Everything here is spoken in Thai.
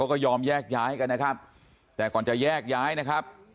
ก็ยอมแยกย้ายกันนะครับแต่ก่อนจะแยกย้ายนะครับ